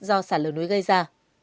do sạt lở núi gây ra